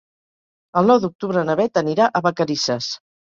El nou d'octubre na Beth anirà a Vacarisses.